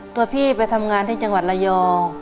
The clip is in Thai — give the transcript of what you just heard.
ตัวพี่ไปทำงานที่จังหวัดระยอง